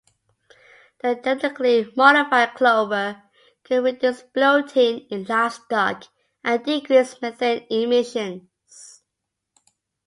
The genetically modified clover could reduce bloating in livestock and decrease methane emissions.